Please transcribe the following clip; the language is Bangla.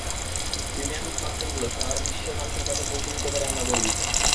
প্রিমিয়াম স্মার্টফোনগুলো সারা বিশ্বের মানুষের কাছে পৌঁছে দিতে পেরে আমরা গর্বিত।